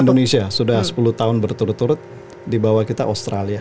indonesia sudah sepuluh tahun berturut turut dibawa kita australia